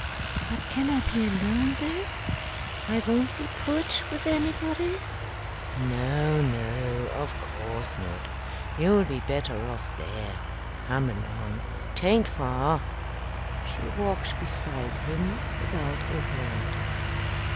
"But can I be alone there? I won't be put with anybody?" "No, no; of course not! You'll be better off there. Come along. 'Taint far." She walked beside him without a word.